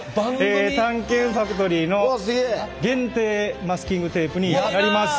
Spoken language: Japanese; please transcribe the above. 「探検ファクトリー」の限定マスキングテープになります。